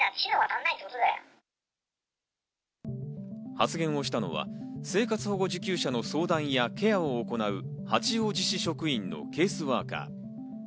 発言をしたのは生活保護受給者の相談やケアを行う八王子市職員のケースワーカー。